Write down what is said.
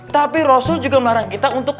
tapi rasul juga melarang kita untuk